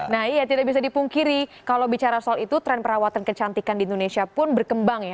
nah iya tidak bisa dipungkiri kalau bicara soal itu tren perawatan kecantikan di indonesia pun berkembang ya